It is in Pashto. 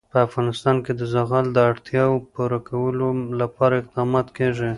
په افغانستان کې د زغال د اړتیاوو پوره کولو لپاره اقدامات کېږي.